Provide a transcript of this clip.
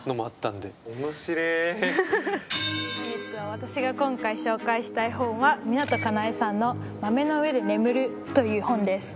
私が今回紹介したい本は湊かなえさんの「豆の上で眠る」という本です。